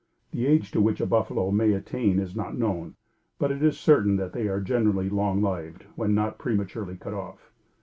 The age to which a buffalo may attain is not known; but, it is certain that they are generally long lived when not prematurely cut off.